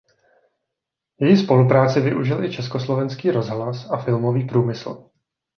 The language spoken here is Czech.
Její spolupráci využil i Československý rozhlas a filmový průmysl.